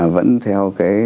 vẫn theo cái